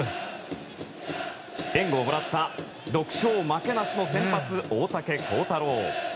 援護をもらった６勝負けなしの先発、大竹耕太郎。